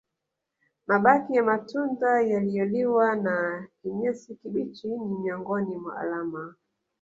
Mabaki ya matunda yaliyoliwa na kinyesi kibichi ni miongoni mwa alama